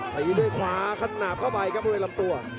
ไปยืนด้วยขวาขนาดเข้าไปครับมันไปลำตัว